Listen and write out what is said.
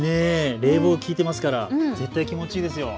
冷房、きいてますから絶対気持ちいいですよ。